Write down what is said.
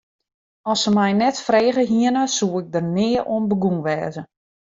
As se my net frege hiene, soe ik der nea oan begûn wêze.